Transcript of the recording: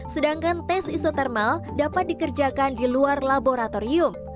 sedangkan tes isotermal dapat dikerjakan di luar laboratorium